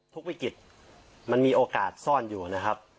วิกฤตมันมีโอกาสซ่อนอยู่นะครับ